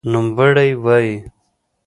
نوموړی وايي